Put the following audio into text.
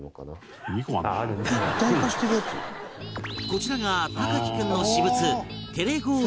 こちらが隆貴君の私物